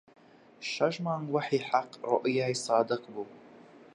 شەش مانگ وەحی حەق ڕوئیای سادق بوو